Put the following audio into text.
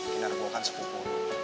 kenar gue kan sekutu